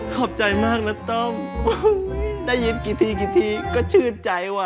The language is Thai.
ขอบใจมากนะต้องได้ยินกี่ทีกี่ทีก็ชื่นใจว่ะ